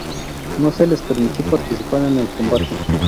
No se les permitió participar en el combate.